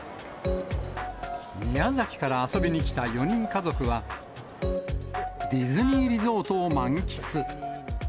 宮崎から遊びに来た４人家族は、ディズニーリゾートを満喫。